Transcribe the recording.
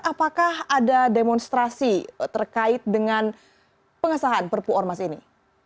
apakah ada demonstrasi terkait dengan pengesahan perpu ormas ini